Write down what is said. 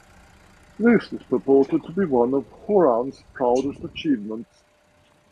This is purported to be one of Horan’s proudest achievements.